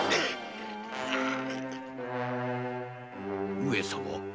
上様。